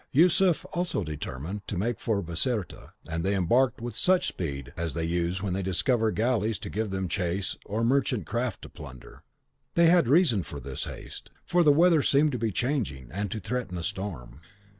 Yusuf also determined to make for Biserta, and they all embarked with as much speed as they use when they discover galleys to give them chase or merchant craft to plunder. They had reason for this haste, for the weather seemed to be changing, and to threaten a storm.